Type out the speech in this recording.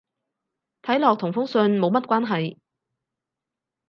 睇落同封信冇乜關係